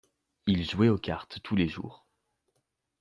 Ils jouaient aux cartes tous les jours.